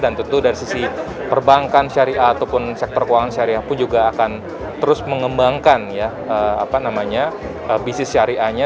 dan tentu dari sisi perbankan syariah ataupun sektor keuangan syariah pun juga akan terus mengembangkan bisnis syariahnya